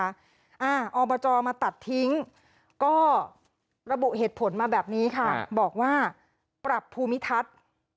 อบจมาตัดทิ้งก็ระบุเหตุผลมาแบบนี้ค่ะบอกว่าปรับภูมิทัศน์